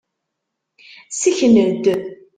Ssken-d.